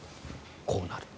こうなる。